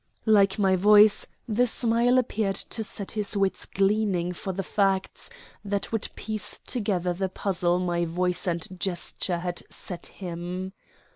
Like my voice, the smile appeared to set his wits gleaning for the facts that would piece together the puzzle my voice and gesture had set him.